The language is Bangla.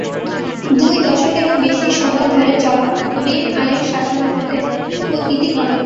দুই দশকেরও বেশি সময় ধরে চলা বেন আলীর শাসনামলের ইতি ঘটে।